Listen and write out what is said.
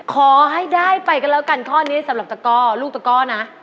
ขอให้ได้ไปกันแล้วกันข้อนี้สำหรับตะก้อลูกตะก้อนะ